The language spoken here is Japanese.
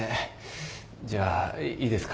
じゃあいいですか。